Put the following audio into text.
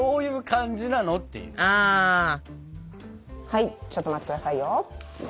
はいちょっと待ってくださいよ。